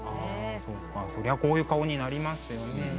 そりゃこういう顔になりますよね。